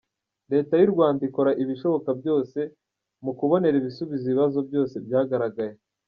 Leta y’u Rwanda ikora ibishoboka byose mu kubonera ibisubizo ibibazo byose byagaragaye.